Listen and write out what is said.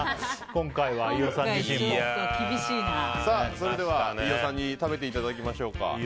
今回は、飯尾さん自身も。それでは飯尾さんに食べていただきましょうか。